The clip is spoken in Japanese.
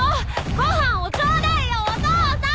ご飯をちょうだいよお父さん！